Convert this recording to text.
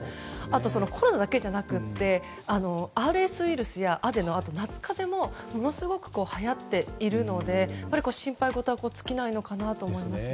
あとはコロナだけじゃなくてＲＳウイルスやアデノ、夏風邪もものすごくはやっているので心配事は尽きないのかなと思います。